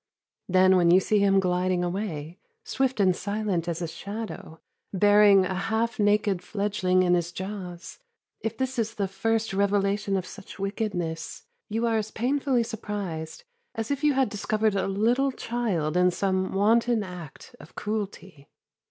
Then when you see him gliding away, swift and silent as a shadow, bearing a half naked fledgeling in his jaws, if this is the first revelation of such wickedness, you are as painfully surprised as if you had discovered a little child in some wanton act of cruelty.